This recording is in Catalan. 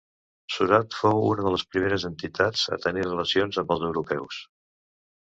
Surat fou una de les primeres entitats a tenir relacions amb els europeus.